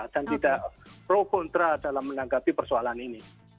tidak pro kontra dalam menanggapi persoalan ini